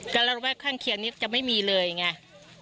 การระวักษ์ข้างเคียงนี้จะไม่มีเลยไง